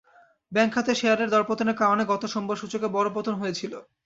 Bank খাতের শেয়ারের দরপতনের কারণে গত সোমবার সূচকের বড় পতন হয়েছিল।